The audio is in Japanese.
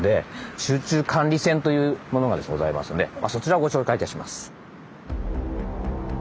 集中管理船というものがございますのでそちらをご紹介いたします。